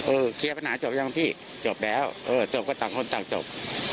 เคลียร์ปัญหาจบยังพี่จบแล้วเออจบก็ต่างคนต่างจบ